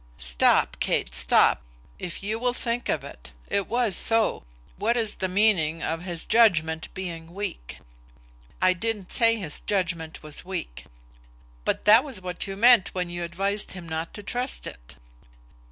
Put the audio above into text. "Stop, Kate, stop. If you will think of it, It was so. What is the meaning of his judgement being weak?" "I didn't say his judgement was weak." "But that was what you meant when you advised him not to trust it!"